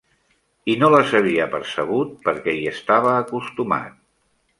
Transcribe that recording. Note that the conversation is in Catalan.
I no les havia percebut perquè hi estava acostumat.